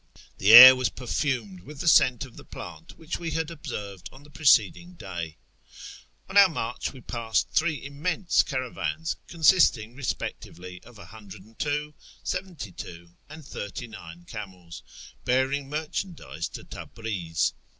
The air was perfumed with the scent of the plant which we had observed on the preceding day. On our march we passed three immense caravans, consisting respectively of 102, 72, and 39 camels, bearing merchandise to Tabriz.